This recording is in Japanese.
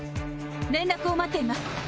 連絡を待っています。